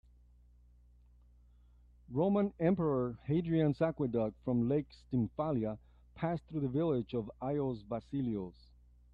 Roman emperor Hadrian's aqueduct from Lake Stymfalia passed through the village of Ayios Vasilios.